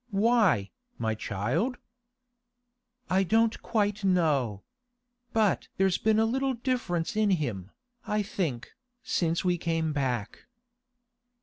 'Why, my child?' 'I don't quite know. But there's been a little difference in him, I think, since we came back.